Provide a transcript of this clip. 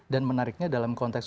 dan menariknya dalam konteks